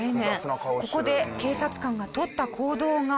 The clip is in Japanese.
ここで警察官がとった行動が。